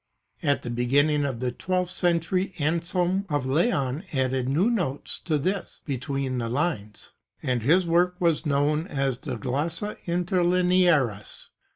At the beginning of the twelfth century Anselm of Laon added new notes to this, between the lines, and his work was known as the Glossa interlinearis.